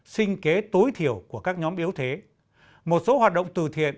sinh kế tối thiểu của các nhóm yếu thế một số hoạt động từ thiện